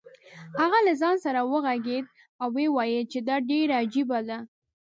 هغه له ځان سره وغږېد او ویې ویل چې دا ډېره عجیبه ده.